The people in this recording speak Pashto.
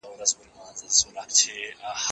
زه به سبا سیر کوم؟!